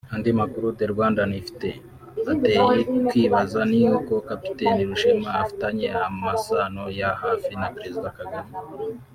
Andi makuru The Rwandan ifite ateye kwibaza ni uko Cpt Rushema afitanye amasano ya hafi na Perezida Kagame